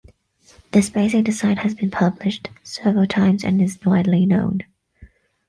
This basic design has been published several times and is widely known.